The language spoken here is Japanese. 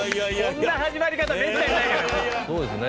こんな始まり方めったにないからね。